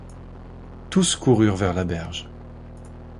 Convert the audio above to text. Tous coururent vers la berge